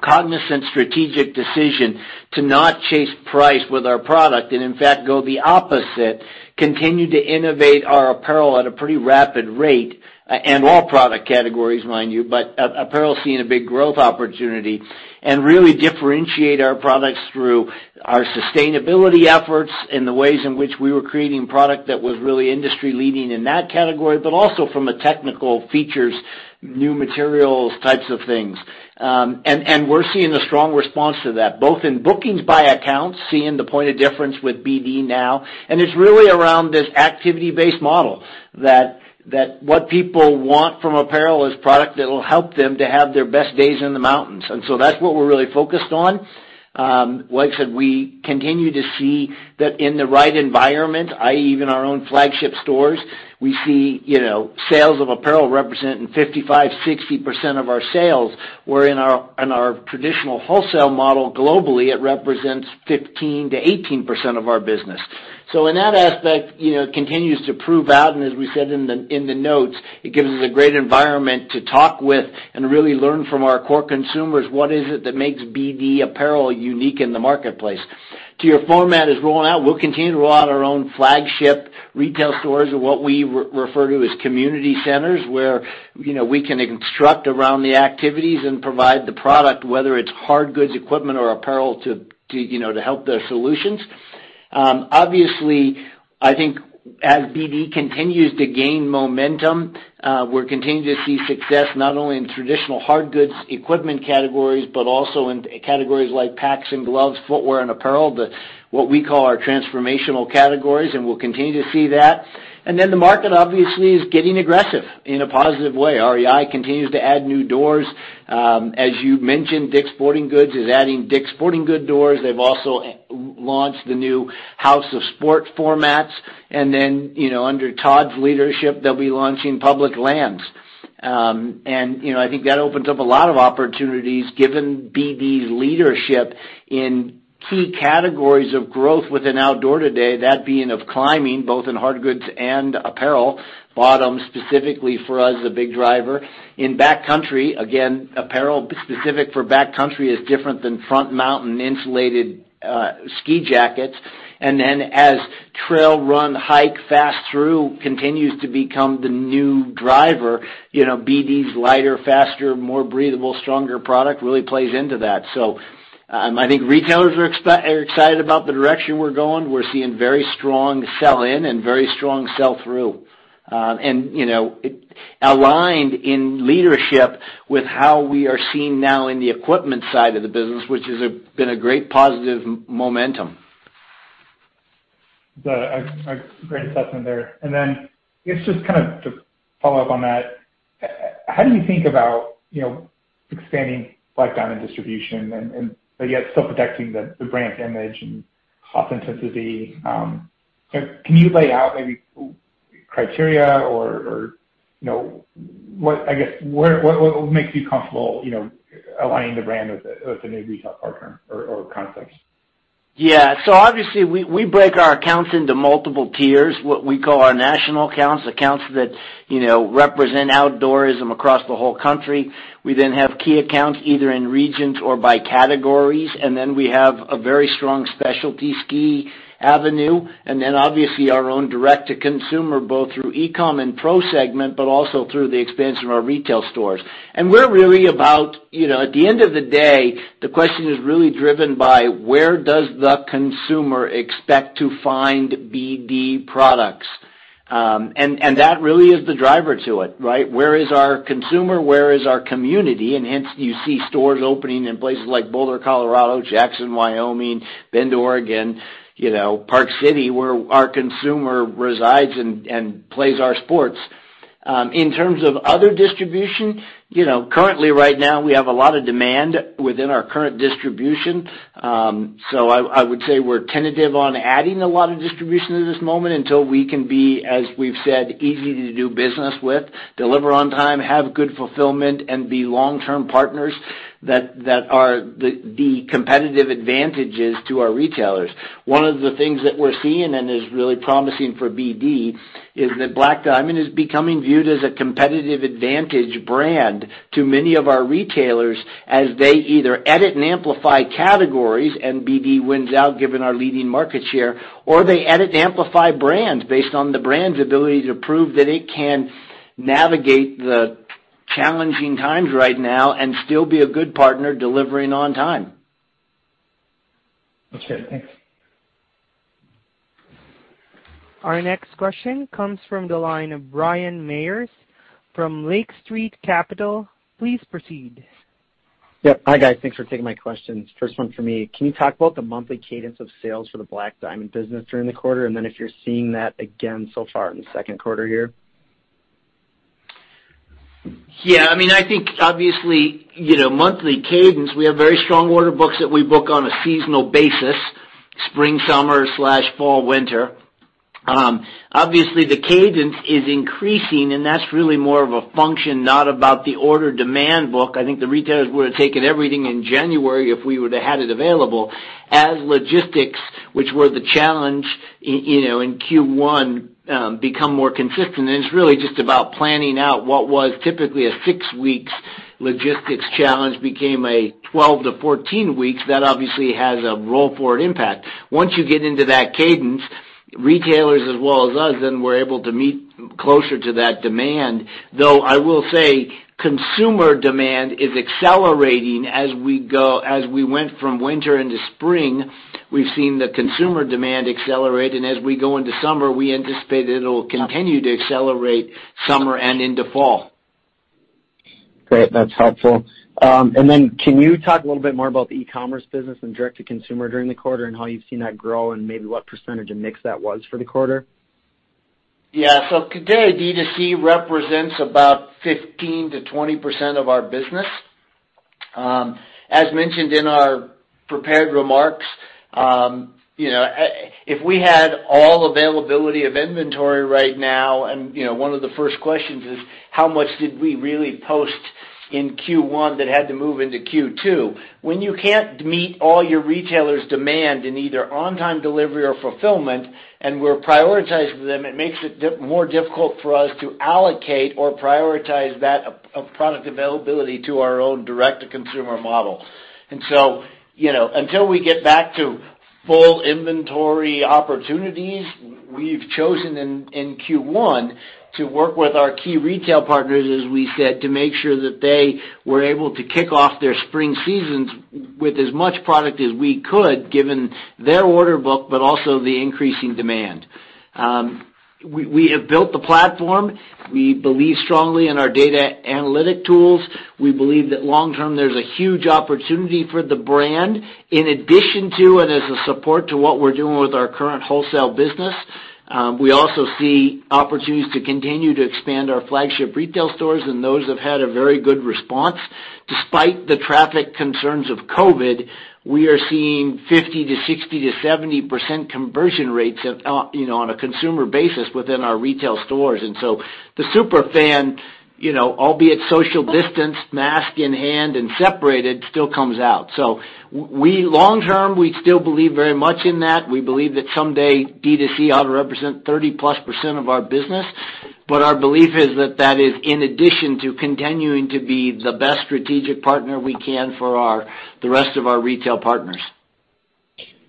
cognizant strategic decision to not chase price with our product, and in fact go the opposite, continue to innovate our apparel at a pretty rapid rate, and all product categories, mind you, but apparel seeing a big growth opportunity, and really differentiate our products through our sustainability efforts and the ways in which we were creating product that was really industry-leading in that category, but also from a technical features, new materials types of things. We're seeing a strong response to that, both in bookings by accounts, seeing the point of difference with BD now, and it's really around this activity-based model, that what people want from apparel is product that'll help them to have their best days in the mountains. That's what we're really focused on. Like I said, we continue to see that in the right environment, i.e., even our own flagship stores, we see sales of apparel representing 55%-60% of our sales, wherein our traditional wholesale model globally, it represents 15%-18% of our business. In that aspect, it continues to prove out, and as we said in the notes, it gives us a great environment to talk with and really learn from our core consumers what is it that makes BD apparel unique in the marketplace. To your format as rolling out, we'll continue to roll out our own flagship retail stores or what we refer to as community centers, where we can construct around the activities and provide the product, whether it's hard goods equipment or apparel to help the solutions. Obviously, I think as BD continues to gain momentum, we're continuing to see success not only in traditional hard goods equipment categories, but also in categories like packs and gloves, footwear, and apparel, what we call our transformational categories, and we'll continue to see that. The market obviously is getting aggressive in a positive way. REI continues to add new doors. As you mentioned, Dick's Sporting Goods is adding Dick's Sporting Goods doors. They've also launched the new House of Sport formats. Under Todd's leadership, they'll be launching Public Lands. I think that opens up a lot of opportunities given BD's leadership in key categories of growth within outdoor today, that being of climbing, both in hard goods and apparel. Bottom specifically for us, a big driver. In backcountry, again, apparel specific for backcountry is different than front mountain insulated ski jackets. As trail run, hike, fast through continues to become the new driver, BD's lighter, faster, more breathable, stronger product really plays into that. I think retailers are excited about the direction we're going. We're seeing very strong sell-in and very strong sell-through. Aligned in leadership with how we are seeing now in the equipment side of the business, which has been a great positive momentum. Good. A great assessment there. I guess just to follow up on that, how do you think about expanding Black Diamond distribution, but yet still protecting the brand image and authenticity? Can you lay out maybe criteria or what makes you comfortable aligning the brand with a new retail partner or concepts? Obviously we break our accounts into multiple tiers. What we call our national accounts, accounts that represent outdoorism across the whole country. We have key accounts, either in regions or by categories, we have a very strong specialty ski avenue, obviously our own direct-to-consumer, both through e-com and pro segment, also through the expansion of our retail stores. At the end of the day, the question is really driven by where does the consumer expect to find BD products? That really is the driver to it. Where is our consumer? Where is our community? Hence you see stores opening in places like Boulder, Colorado; Jackson, Wyoming; Bend, Oregon, Park city, where our consumer resides and plays our sports. In terms of other distribution, currently right now, we have a lot of demand within our current distribution. I would say we're tentative on adding a lot of distribution at this moment until we can be, as we've said, easy to do business with, deliver on time, have good fulfillment, and be long-term partners that are the competitive advantages to our retailers. One of the things that we're seeing and is really promising for BD is that Black Diamond is becoming viewed as a competitive advantage brand to many of our retailers as they either edit and amplify categories, and BD wins out given our leading market share, or they edit and amplify brands based on the brand's ability to prove that it can navigate the challenging times right now and still be a good partner delivering on time. Thanks. Our next question comes from the line of Ryan Meyers from Lake Street Capital. Please proceed. Hi, guys. Thanks for taking my questions. First one for me, can you talk about the monthly cadence of sales for the Black Diamond business during the quarter, and then if you're seeing that again so far in the second quarter here? I think obviously, monthly cadence, we have very strong order books that we book on a seasonal basis, spring, summer/fall, winter. Obviously, the cadence is increasing, and that's really more of a function, not about the order demand book. I think the retailers would've taken everything in January if we would've had it available. As logistics, which were the challenge in Q1, become more consistent, then it's really just about planning out what was typically a six weeks logistics challenge became a 12-14 weeks. That obviously has a roll-forward impact. Once you get into that cadence, retailers as well as us then were able to meet closer to that demand, though I will say consumer demand is accelerating as we went from winter into spring, we've seen the consumer demand accelerate, and as we go into summer, we anticipate it'll continue to accelerate summer and into fall. Great. That's helpful. Can you talk a little bit more about the e-commerce business and direct-to-consumer during the quarter, and how you've seen that grow and maybe what percentage of mix that was for the quarter? Today, D2C represents about 15%-20% of our business. As mentioned in our prepared remarks, if we had all availability of inventory right now—One of the first questions is, how much did we really post in Q1 that had to move into Q2? When you can't meet all your retailers' demand in either on-time delivery or fulfillment and we're prioritizing them, it makes it more difficult for us to allocate or prioritize that product availability to our own direct-to-consumer model. Until we get back to full inventory opportunities, we've chosen in Q1 to work with our key retail partners, as we said, to make sure that they were able to kick off their spring seasons with as much product as we could given their order book, but also the increasing demand. We have built the platform. We believe strongly in our data analytic tools. We believe that long-term, there's a huge opportunity for the brand in addition to and as a support to what we're doing with our current wholesale business. We also see opportunities to continue to expand our flagship retail stores, and those have had a very good response. Despite the traffic concerns of COVID-19, we are seeing 50% to 60% to 70% conversion rates on a consumer basis within our retail stores. The super fan, albeit social-distanced, mask in hand, and separated, still comes out. Long-term, we still believe very much in that. We believe that someday D2C ought to represent 30%+ of our business. Our belief is that that is in addition to continuing to be the best strategic partner we can for the rest of our retail partners.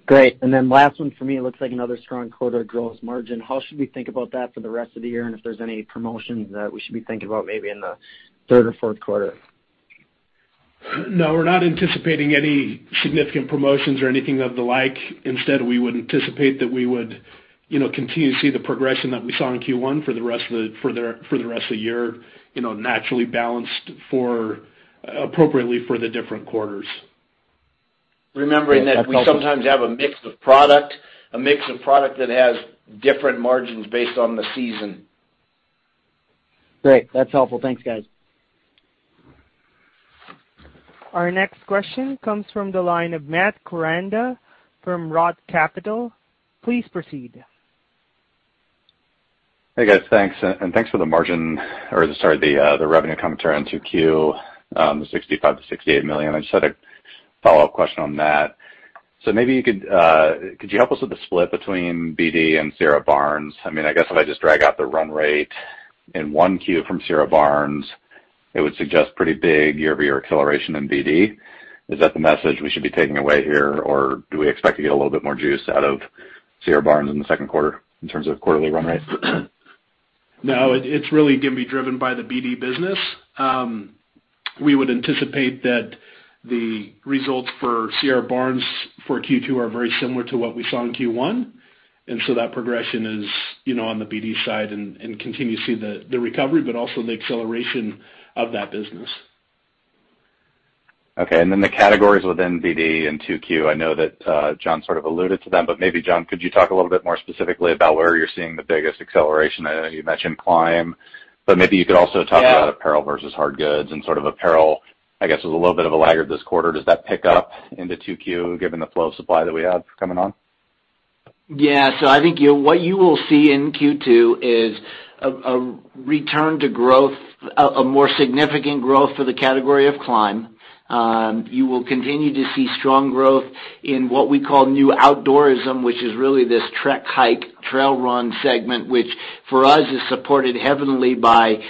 Great. Last one from me. It looks like another strong quarter of gross margin. How should we think about that for the rest of the year, and if there's any promotions that we should be thinking about maybe in the third or fourth quarter? No, we're not anticipating any significant promotions or anything of the like. Instead, we would anticipate that we would continue to see the progression that we saw in Q1 for the rest of the year, naturally balanced appropriately for the different quarters. Remembering that we sometimes have a mix of product that has different margins based on the season. Great. That's helpful. Thanks, guys. Our next question comes from the line of Matt Koranda from ROTH Capital. Please proceed. Hey, guys. Thanks. Thanks for the revenue commentary on 2Q, the $65 million-$68 million. I just had a follow-up question on that. Could you help us with the split between BD and Sierra/Barnes? I guess if I just drag out the run rate in 1Q from Sierra/Barnes, it would suggest pretty big year-over-year acceleration in BD. Is that the message we should be taking away here, or do we expect to get a little bit more juice out of Sierra/Barnes in the second quarter in terms of quarterly run rates? No, it's really going to be driven by the BD business. We would anticipate that the results for Sierra/Barnes for Q2 are very similar to what we saw in Q1. That progression is on the BD side and continue to see the recovery but also the acceleration of that business. Okay, the categories within BD in 2Q, I know that John sort of alluded to them, but maybe John, could you talk a little bit more specifically about where you're seeing the biggest acceleration? I know you mentioned climb, but maybe you could also talk about apparel versus hard goods and sort of apparel, I guess, was a little bit of a lagger this quarter. Does that pick up into 2Q given the flow of supply that we have coming on? I think what you will see in Q2 is a return to growth, a more significant growth for the category of climb. You will continue to see strong growth in what we call new outdoorism, which is really this trek, hike, trail run segment, which for us is supported heavily by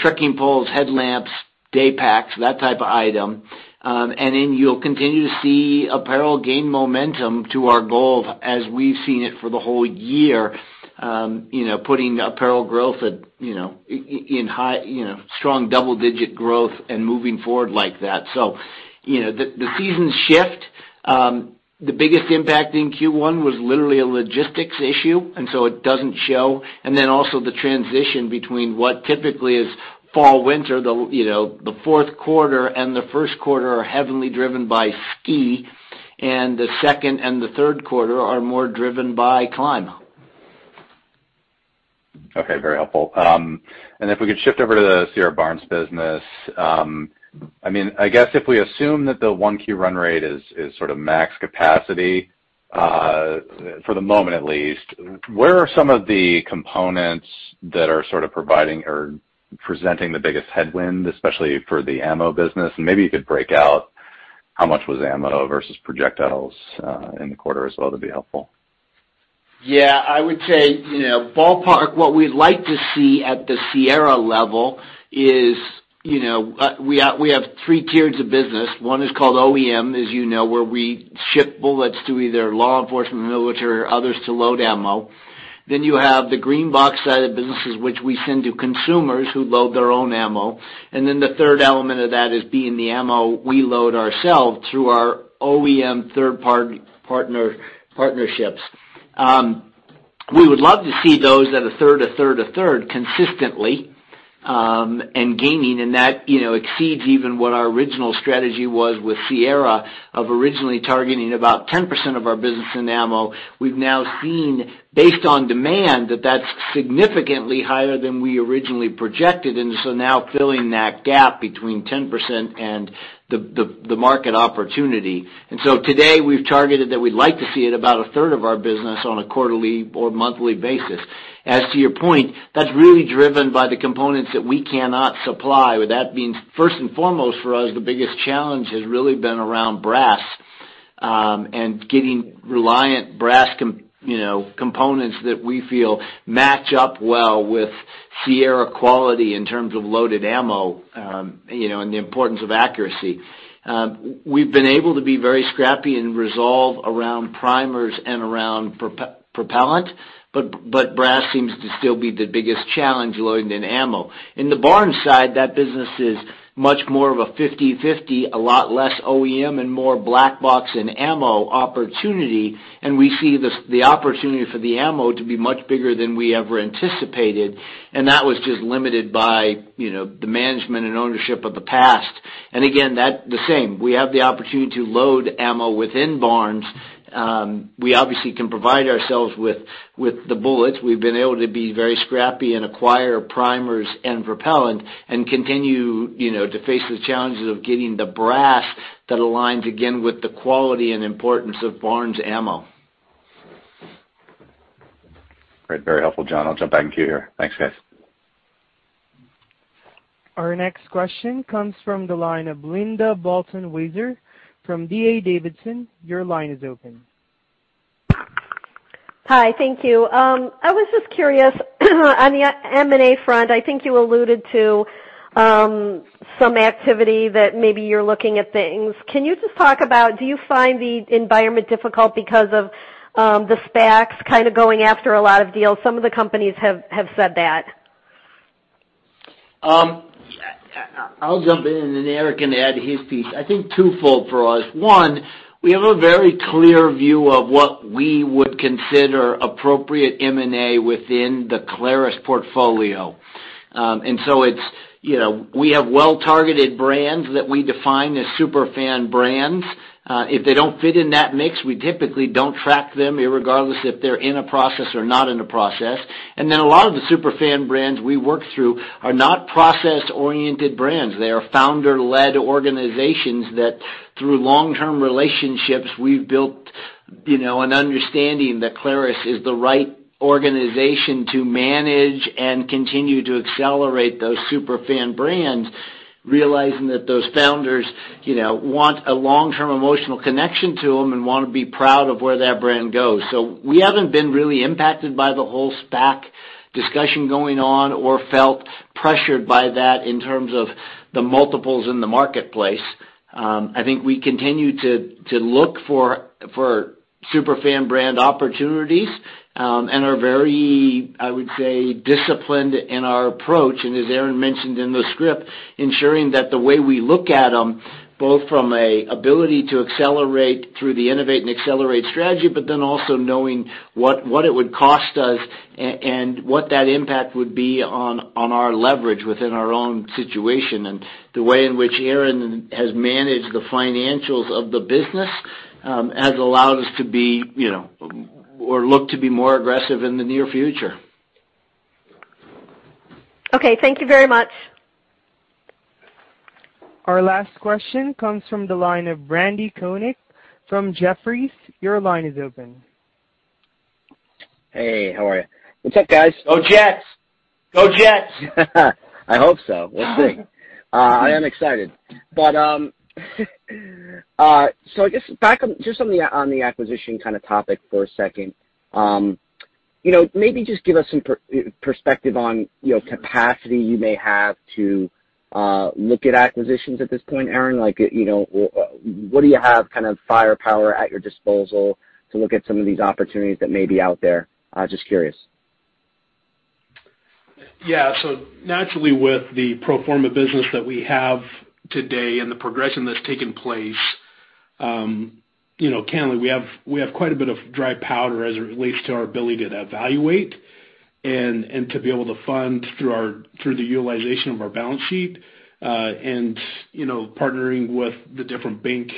trekking poles, headlamps, day packs, that type of item. You'll continue to see apparel gain momentum to our goal as we've seen it for the whole year, putting apparel growth in strong double-digit growth and moving forward like that. The seasons shift. The biggest impact in Q1 was literally a logistics issue, it doesn't show. Also the transition between what typically is fall/winter, the fourth quarter and the first quarter are heavily driven by ski, and the second and the third quarter are more driven by climb. Very helpful. If we could shift over to the Sierra/Barnes business. I guess if we assume that the 1Q run rate is sort of max capacity for the moment at least, where are some of the components that are sort of providing or presenting the biggest headwind, especially for the ammo business? Maybe you could break out how much was ammo versus projectiles in the quarter as well, that'd be helpful. I would say, ballpark what we'd like to see at the Sierra level is—We have 3 tiers of business. One is called OEM, as you know, where we ship bullets to either law enforcement, military, or others to load ammo. You have the green box side of businesses, which we send to consumers who load their own ammo. The third element of that is being the ammo we load ourselves through our OEM third-party partnerships. We would love to see those at 1/3, 1/3, 1/3 consistently, and gaining. That exceeds even what our original strategy was with Sierra of originally targeting about 10% of our business in ammo. We've now seen, based on demand, that that's significantly higher than we originally projected, now filling that gap between 10% and the market opportunity. Today, we've targeted that we'd like to see it about 1/3 of our business on a quarterly or monthly basis. To your point, that's really driven by the components that we cannot supply. That being first and foremost for us, the biggest challenge has really been around brass and getting reliant brass components that we feel match up well with Sierra quality in terms of loaded ammo and the importance of accuracy. We've been able to be very scrappy and resolve around primers and around propellant, but brass seems to still be the biggest challenge loading in ammo. In the Barnes side, that business is much more of a 50/50, a lot less OEM, and more black box and ammo opportunity. We see the opportunity for the ammo to be much bigger than we ever anticipated. That was just limited by the management and ownership of the past. Again, that the same, we have the opportunity to load ammo within Barnes. We obviously can provide ourselves with the bullets. We've been able to be very scrappy and acquire primers and propellant and continue to face the challenges of getting the brass that aligns, again, with the quality and importance of Barnes ammo. Great. Very helpful, John. I'll jump back in queue here. Thanks, guys. Our next question comes from the line of Linda Bolton Weiser from D.A. Davidson. Your line is open. Hi, thank you. I was just curious on the M&A front, I think you alluded to some activity that maybe you're looking at things. Can you just talk about, do you find the environment difficult because of the SPACs kind of going after a lot of deals? Some of the companies have said that. I'll jump in, and then Aaron can add his piece. I think twofold for us. One, we have a very clear view of what we would consider appropriate M&A within the Clarus portfolio. We have well-targeted brands that we define as super fan brands. If they don't fit in that mix, we typically don't track them regardless if they're in a process or not in a process. A lot of the super fan brands we work through are not process-oriented brands. They are founder-led organizations that, through long-term relationships, we've built an understanding that Clarus is the right organization to manage and continue to accelerate those super fan brands, realizing that those founders want a long-term emotional connection to them and want to be proud of where that brand goes. We haven't been really impacted by the whole SPAC discussion going on or felt pressured by that in terms of the multiples in the marketplace. I think we continue to look for super fan brand opportunities, and are very, I would say, disciplined in our approach. As Aaron mentioned in the script, ensuring that the way we look at them, both from a ability to accelerate through the innovate and accelerate strategy, but then also knowing what it would cost us and what that impact would be on our leverage within our own situation. The way in which Aaron has managed the financials of the business has allowed us to be or look to be more aggressive in the near future. Thank you very much. Our last question comes from the line of Randy Konik from Jefferies. Your line is open. Hey, how are you? What's up, guys? Go Jets. Go Jets. I hope so. We'll see. I am excited. I guess back on just something on the acquisition kind of topic for a second. Maybe just give us some perspective on capacity you may have to look at acquisitions at this point, Aaron. What do you have kind of firepower at your disposal to look at some of these opportunities that may be out there? Just curious. Naturally, with the pro forma business that we have today and the progression that's taken place, candidly, we have quite a bit of dry powder as it relates to our ability to evaluate and to be able to fund through the utilization of our balance sheet, and partnering with the different bank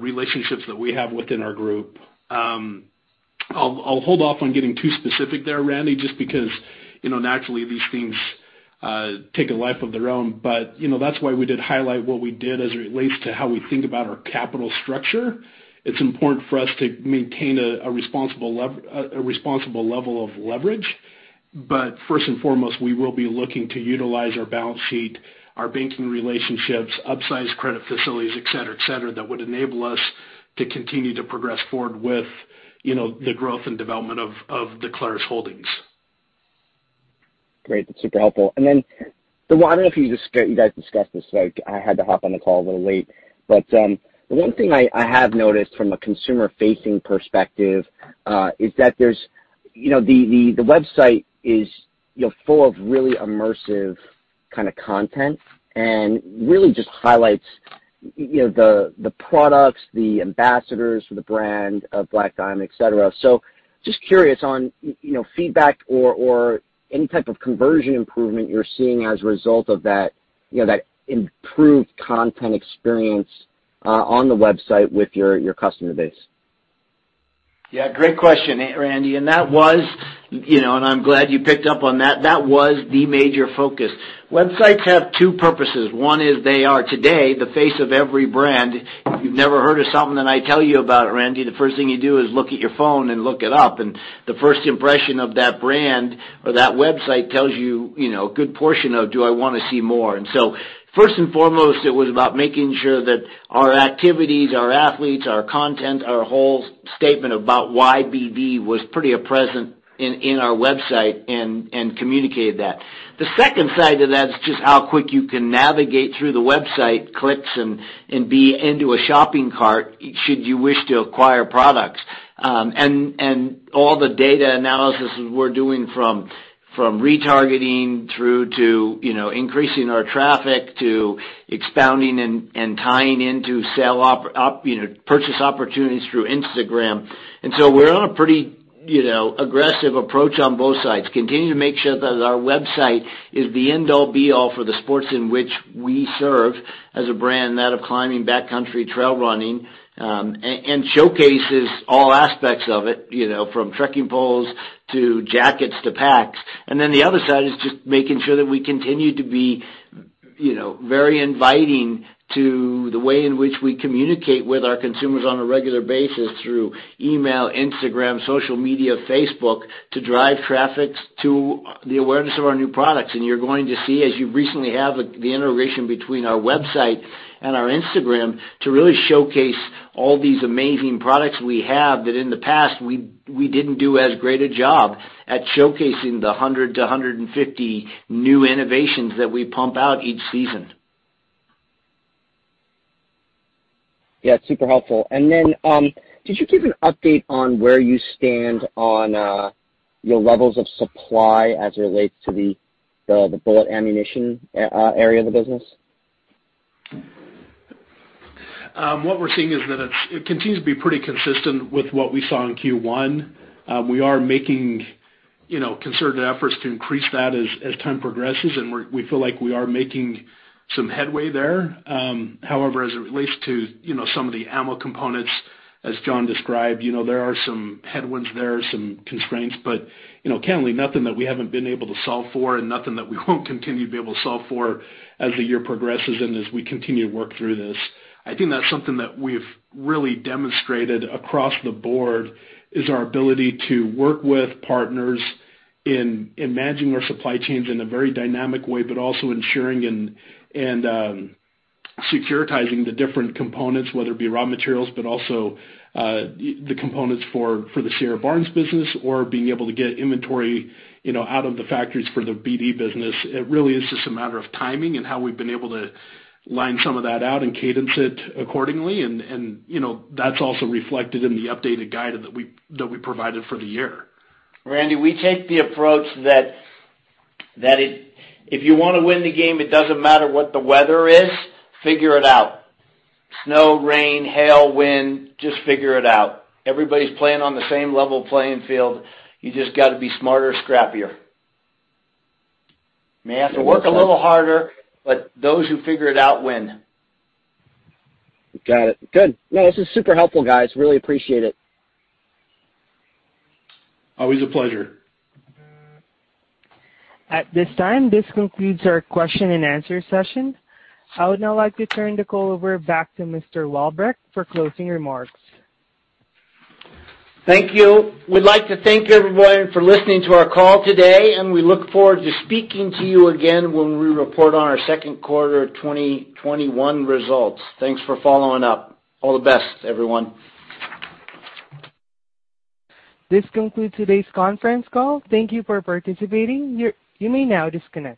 relationships that we have within our group. I'll hold off on getting too specific there, Randy, just because naturally these things take a life of their own. That's why we did highlight what we did as it relates to how we think about our capital structure. It's important for us to maintain a responsible level of leverage. First and foremost, we will be looking to utilize our balance sheet, our banking relationships, upsize credit facilities, et cetera, that would enable us to continue to progress forward with the growth and development of the Clarus Corporation. Great. That's super helpful. Well, I don't know if you guys discussed this, so I had to hop on the call a little late, but the one thing I have noticed from a consumer-facing perspective is that the website is full of really immersive kind of content and really just highlights the products, the ambassadors for the brand of Black Diamond, et cetera. Just curious on feedback or any type of conversion improvement you're seeing as a result of that improved content experience on the website with your customer base. Great question, Randy. I'm glad you picked up on that. That was the major focus. Websites have two purposes. One is they are today the face of every brand. You've never heard of something that I tell you about, Randy, the first thing you do is look at your phone and look it up, and the first impression of that brand or that website tells you a good portion of, do I want to see more? First and foremost, it was about making sure that our activities, our athletes, our content, our whole statement about why BD was pretty present in our website and communicated that. The second side of that is just how quick you can navigate through the website clicks and be into a shopping cart should you wish to acquire products. All the data analysis we're doing from retargeting through to increasing our traffic to expounding and tying into purchase opportunities through Instagram. We're on a pretty aggressive approach on both sides. Continue to make sure that our website is the end-all, be-all for the sports in which we serve as a brand, that of climbing, backcountry, trail running, and showcases all aspects of it, from trekking poles to jackets to packs. The other side is just making sure that we continue to be very inviting to the way in which we communicate with our consumers on a regular basis through email, Instagram, social media, Facebook, to drive traffic to the awareness of our new products. You're going to see, as you recently have, the integration between our website and our Instagram to really showcase all these amazing products we have, that in the past, we didn't do as great a job at showcasing the 100-150 new innovations that we pump out each season. Super helpful. Did you give an update on where you stand on your levels of supply as it relates to the bullet/ammunition area of the business? What we're seeing is that it continues to be pretty consistent with what we saw in Q1. We are making concerted efforts to increase that as time progresses, and we feel like we are making some headway there. However, as it relates to some of the ammo components, as John described, there are some headwinds there, some constraints, but candidly, nothing that we haven't been able to solve for and nothing that we won't continue to be able to solve for as the year progresses and as we continue to work through this. I think that's something that we've really demonstrated across the board, is our ability to work with partners in managing our supply chains in a very dynamic way, but also ensuring and securitizing the different components, whether it be raw materials, but also the components for the Sierra/Barnes business, or being able to get inventory out of the factories for the BD business. It really is just a matter of timing and how we've been able to line some of that out and cadence it accordingly. That's also reflected in the updated guidance that we provided for the year. Randy, we take the approach that if you want to win the game, it doesn't matter what the weather is, figure it out. Snow, rain, hail, wind, just figure it out. Everybody's playing on the same level playing field. You just got to be smarter, scrappier. May have to work a little harder, but those who figure it out win. Got it. Good. No, this is super helpful, guys. Really appreciate it. Always a pleasure. At this time, this concludes our question-and-answer session. I would now like to turn the call over back to Mr. Walbrecht for closing remarks. Thank you. We'd like to thank everyone for listening to our call today, and we look forward to speaking to you again when we report on our second quarter 2021 results. Thanks for following up. All the best, everyone. This concludes today's conference call. Thank you for participating. You may now disconnect.